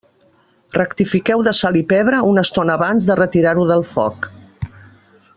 Rectifiqueu de sal i pebre una estona abans de retirar-ho del foc.